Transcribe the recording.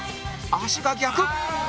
足が逆！